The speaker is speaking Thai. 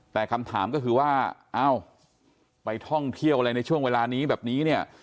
แต่คำถามก็คือว่าเอ้าไปท่องเที่ยวอะไรในช่วงเวลานี้แบบนี้เนี่ย